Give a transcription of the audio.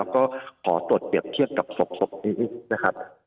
ก็ขอตรวจเปรียบเทียบกับศพนี้นะครับ